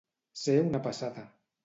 Ser una passada.